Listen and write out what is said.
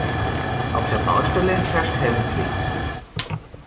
Auf der Baustelle herrscht Helmpflicht.